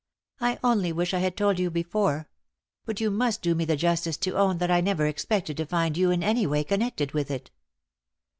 "I only wish I had told I you before. But you must do me the justice to own that I never expected to find you in any way connected with it."